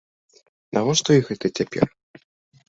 Навошта ёй гэта цяпер?